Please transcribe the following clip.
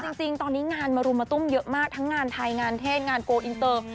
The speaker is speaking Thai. จริงตอนนี้งานมารุมมาตุ้มเยอะมากทั้งงานไทยงานเทศงานโกลอินเตอร์